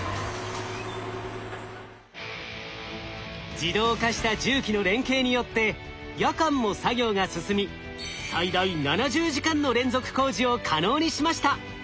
自動化した重機の連携によって夜間も作業が進み最大７０時間の連続工事を可能にしました。